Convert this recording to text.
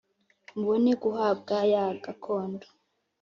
mubone guhabwa ya gakondo